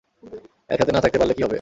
একসাথে না থাকতে পারলে কি হবে?